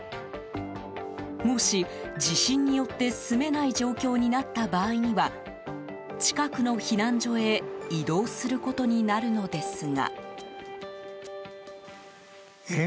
もし、地震によって住めない状況になった場合には近くの避難所へ移動することになるのですが。